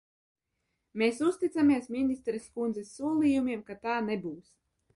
Mēs uzticamies ministres kundzes solījumiem, ka tā nebūs.